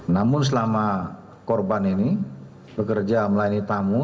namun selama korban ini bekerja melayani tamu